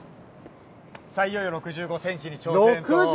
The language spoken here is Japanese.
いよいよ６５センチに挑戦と。